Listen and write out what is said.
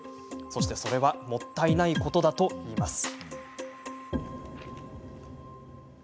そして、それはもったいないことだといいます。